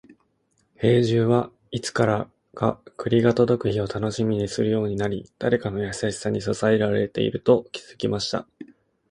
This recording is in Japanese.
兵十は、いつからか栗が届く日を楽しみにするようになり、誰かの優しさに支えられていると気づきました。